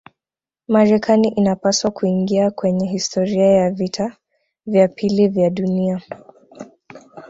marekani inapaswa kuingia kwenye historia ya vita vya pili vya dunia